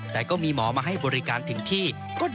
แต่ก็มีหมอมาให้บริการถึงที่